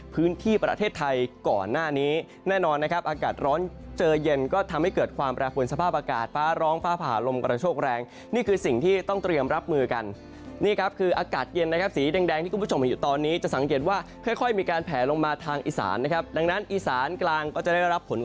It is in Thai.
พื้นที่ประเทศไทยก่อนหน้านี้แน่นอนนะครับอากาศร้อนเจอเย็นก็ทำให้เกิดความแปรปวนสภาพอากาศฟ้าร้องฟ้าผ่าลมกระโชคแรงนี่คือสิ่งที่ต้องเตรียมรับมือกันนี่ครับคืออากาศเย็นนะครับสีแดงที่คุณผู้ชมเห็นอยู่ตอนนี้จะสังเกตว่าค่อยมีการแผลลงมาทางอีสานนะครับดังนั้นอีสานกลางก็จะได้รับผล